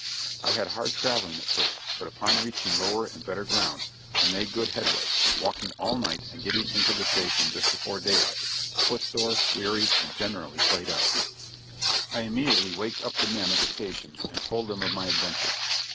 I had hard traveling at first, but upon reaching lower and better ground, I made good headway, walking all night and getting into the station just before daylight, foot sore, weary, and generally played out. I immediately waked up the men of the station and told them of my adventure.